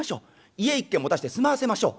家一軒持たせて住まわせましょう。